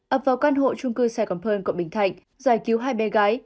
ập vào căn hộ trung cư sài gòn pơn quận bình thạnh giải cứu hai bé gái